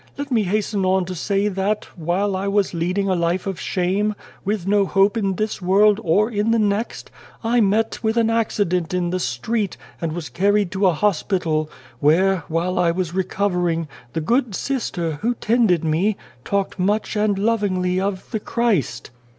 Let me hasten on to say that, while I was 200 and the Devil leading a life of shame with no hope in this world or in the next I met with an accident in the street, and was carried to a hospital, where, while I was recovering, the good Sister, who tended me, talked much and lovingly of the Christ."